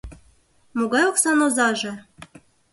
— Могай оксан озаже?